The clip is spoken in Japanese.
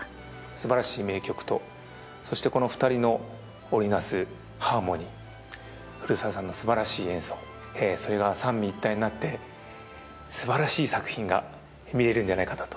すばらしい名曲とそしてこの２人の織り成すハーモニー古澤さんのすばらしい演奏それが三位一体になってすばらしい作品が見られるんじゃないかなと。